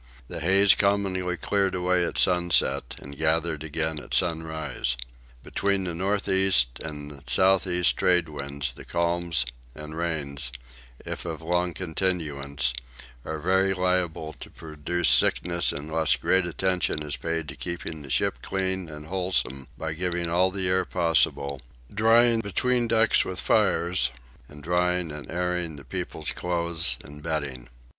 The haze commonly cleared away at sunset and gathered again at sunrise. Between the north east and south east tradewinds the calms and rains, if of long continuance, are very liable to produce sickness unless great attention is paid to keeping the ship clean and wholesome by giving all the air possible, drying between decks with fires, and drying and airing the people's clothes and bedding.